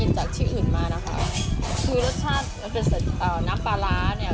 คือรสชาติน้ำปลาร้าเนี่ย